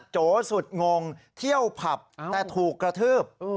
โจสุดงงเที่ยวผับแต่ถูกกระทืบ